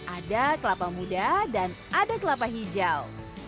ada kelapa muda dan ada kelapa hijau